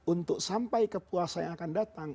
untuk sampai ke puasa yang akan datang